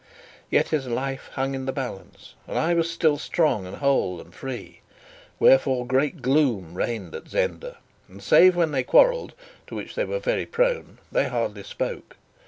Yet his life hung in the balance; and I was still strong and whole and free. Wherefore great gloom reigned at Zenda; and save when they quarrelled, to which they were very prone, they hardly spoke.